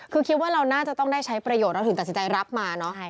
คือคิดว่าเราน่าจะต้องได้ใช้ประโยชน์เราถึงตัดสินใจรับมาเนอะ